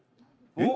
「えっ？」